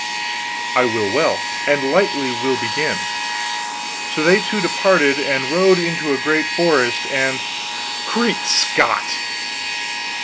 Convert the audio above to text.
"I will well, and lightly will begin. So they two departed and rode into a great forest. And " "Great Scott!"